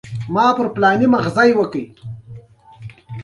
افغانستان د وحشي حیوانات د ساتنې لپاره قوانین لري.